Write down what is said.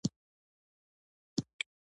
ښاروالۍ د ودانیو د معیارونو څارنه کوي.